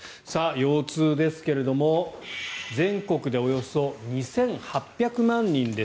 腰痛ですが全国でおよそ２８００万人です